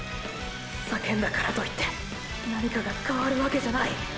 叫んだからと言って何かが変わるわけじゃない。